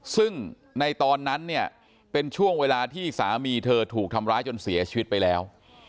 ซึ่งในตอนนั้นเนี่ยเป็นช่วงเวลาที่สามีเธอถูกทำร้ายจนเสียชีวิตไปแล้ว